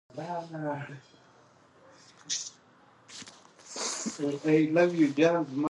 ازادي راډیو د بانکي نظام پر وړاندې د حل لارې وړاندې کړي.